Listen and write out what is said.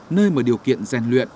nơi mà điều kiện rèn luyện